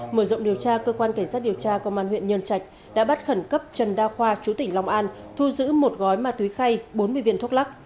mở rộng điều tra cơ quan cảnh sát điều tra công an huyện nhân trạch đã bắt khẩn cấp trần đa khoa chú tỉnh long an thu giữ một gói ma túy khay bốn mươi viên thuốc lắc